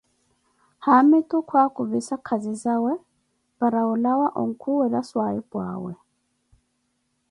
haamitu kwakuvissa khazizawe para olawa onkhuwela swaahipu awe.